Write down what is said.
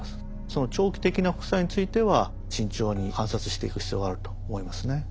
その長期的な副作用については慎重に観察していく必要があると思いますね。